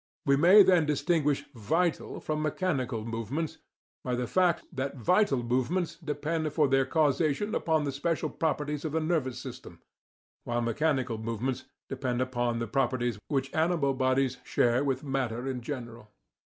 We may then distinguish "vital" from mechanical movements by the fact that vital movements depend for their causation upon the special properties of the nervous system, while mechanical movements depend only upon the properties which animal bodies share with matter in general.